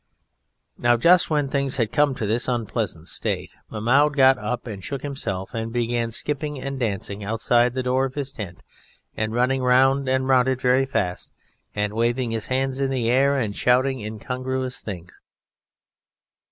Now, just when things had come to this unpleasant state Mahmoud got up and shook himself and began skipping and dancing outside the door of his tent and running round and round it very fast, and waving his hands in the air, and shouting incongruous things.